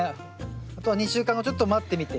あとは２週間後ちょっと待ってみて。